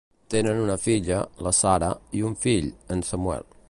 Tenen una filla, la Sarah, i un fill, en Samuel.